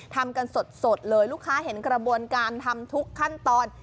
ทำกันสดเลยลูกค้าเห็นกระบวนการทำทุกขั้นตอน